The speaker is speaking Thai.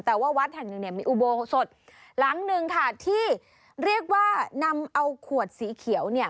แต่ว่าวัดแห่งหนึ่งเนี่ยมีอุโบสถหลังหนึ่งค่ะที่เรียกว่านำเอาขวดสีเขียวเนี่ย